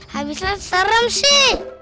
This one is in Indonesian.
habislah serem sih